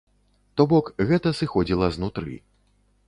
То бок гэта сыходзіла знутры.